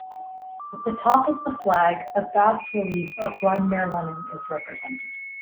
At the top of the flag a bas-relief of Vladimir Lenin is represented.